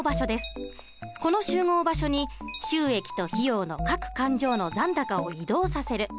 この集合場所に収益と費用の各勘定の残高を移動させる。